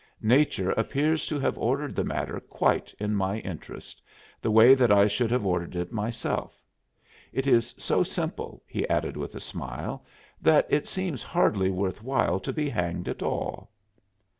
Nature appears to have ordered the matter quite in my interest the way that I should have ordered it myself. It is so simple," he added with a smile, "that it seems hardly worth while to be hanged at all."